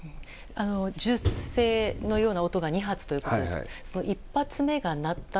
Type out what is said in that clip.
銃声のような音が２発ということですが１発目が鳴った